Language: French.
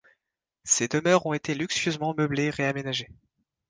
Ces demeures ont été luxueusement meublées et réaménagées.